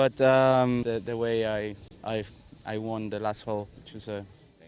tapi saya menang di hall terakhir